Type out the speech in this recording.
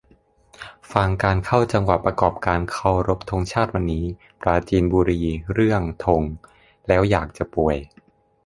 ฟังการแสดงเข้าจังหวะประกอบการเคารพธงชาติวันนี้ ปราจีนบุรี เรื่อง "ธง" แล้วอยากจะป่วย